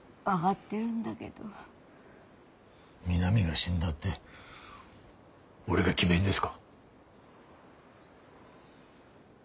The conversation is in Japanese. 美波が死んだって俺が決めんですか。